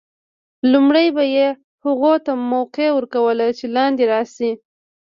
لومړی به یې هغو ته موقع ور کول چې لاندې راشي.